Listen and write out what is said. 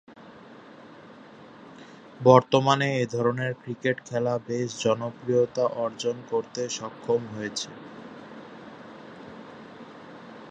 বর্তমানে এ ধরনের ক্রিকেট খেলা বেশ জনপ্রিয়তা অর্জন করতে সক্ষম হয়েছে।